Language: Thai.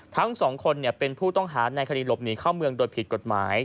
ทั้งสองคนเป็นผู้ต้องหาในคดีหลบหนีเข้าเมืองโดยผิดกฎหมาย